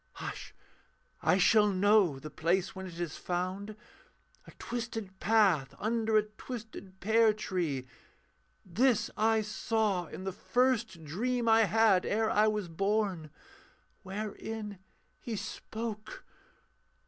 Hush I shall know The place when it is found: a twisted path Under a twisted pear tree this I saw In the first dream I had ere I was born, Wherein He spoke....